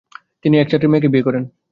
তিনি এক ছাত্রের মেয়েকে বিয়ে করেন।